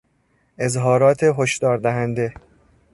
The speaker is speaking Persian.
اظهارات هشدار دهنده